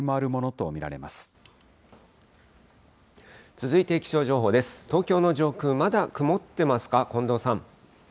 東京の上空、まだ曇っていますか、近藤さん。